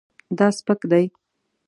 دا سپک دی